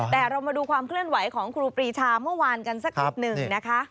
แต่เรามาดูความเคลื่อนไหวของครูปรีชาเมื่อวานกันสักนิดหนึ่งนะคะ